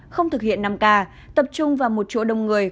không thực hiện năm k tập trung vào một chỗ đông người